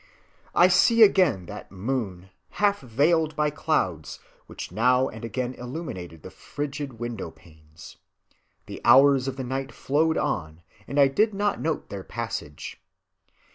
I see again that moon, half‐veiled by clouds, which now and again illuminated the frigid window‐panes. The hours of the night flowed on and I did not note their passage.